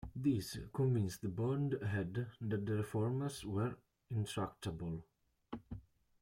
This convinced Bond Head that the Reformers were intractable.